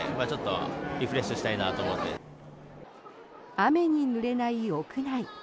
雨にぬれない屋内。